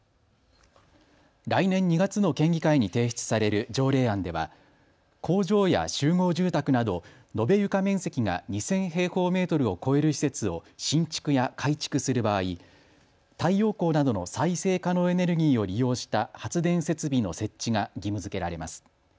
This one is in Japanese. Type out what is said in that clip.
来年２月の県議会に提出される条例案では工場や集合住宅など延べ床面積が２０００平方メートルを超える施設を新築や改築する場合、太陽光などの再生可能エネルギーを利用した発電設備の設置が義務づけられます。